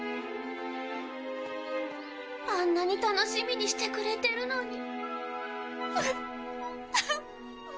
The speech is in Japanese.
あんなに楽しみにしてくれてるのに。